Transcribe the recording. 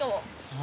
あ。